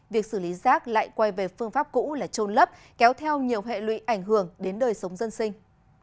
việc xử lý rác lại quay về phương pháp cũ là trôn lấp kéo theo nhiều hệ lụy ảnh hưởng đến đời sống dân sinh